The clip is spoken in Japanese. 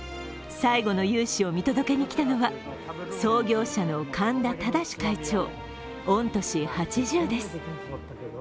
最後の雄姿を見届けに来たのは創業者の神田正会長、御年８０です。